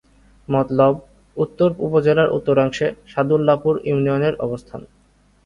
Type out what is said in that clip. মতলব উত্তর উপজেলার উত্তরাংশে সাদুল্লাপুর ইউনিয়নের অবস্থান।